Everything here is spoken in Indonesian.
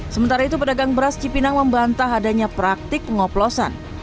sementara itu pedagang beras cipinang membantah adanya praktik pengoplosan